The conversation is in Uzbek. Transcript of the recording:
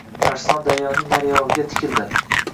Arslon daryoning nariyog‘iga tikildi.